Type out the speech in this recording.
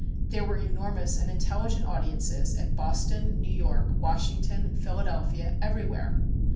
There were enormous and intelligent audiences at Boston, New York, Washington, Philadelphia everywhere.